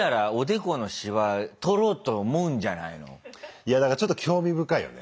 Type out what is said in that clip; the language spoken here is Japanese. いやだからちょっと興味深いよね。